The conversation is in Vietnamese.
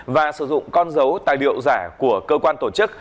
và sử dụng con dấu tài liệu giả của cơ quan tổ chức